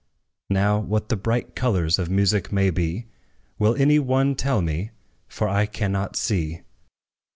Now, what the bright colors of music may be, Will any one tell me? for I cannot see.